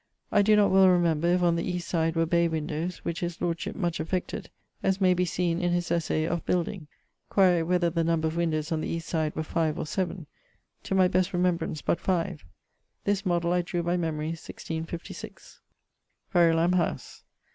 I doe not well remember if on the east side were bay windowes, which his lordship much affected, as may be seen in his essay Of Building. Quaere whether the number of windowes on the east side were 5 or 7: to my best remembrance but 5. This model I drew by memorie, 1656. VERULAM HOWSE.